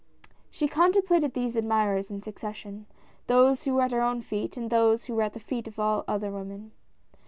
She contemplated these admirers in succession ; those who were at her own feet and those who were at the feet of all the other women.